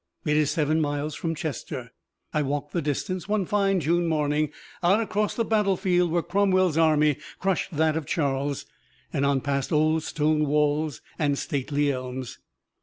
It is seven miles from Chester. I walked the distance one fine June morning out across the battlefield where Cromwell's army crushed that of Charles; and on past old stone walls and stately elms.